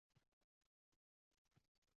Nihoyat, hiqillagancha zorlanishdi